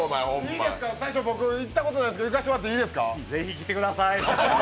僕大正行ったことないですけど、行かせてもらっていいですか？